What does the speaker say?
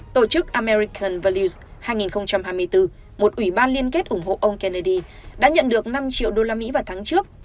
tổ chức american values hai nghìn hai mươi bốn một ủy ban liên kết ủng hộ ông kennedy đã nhận được năm triệu đô la mỹ vào tháng trước